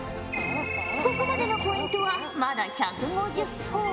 ここまでのポイントはまだ１５０ほぉ。